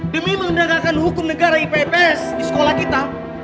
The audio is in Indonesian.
demi menggagakan hukum negara ipps di sekolah kita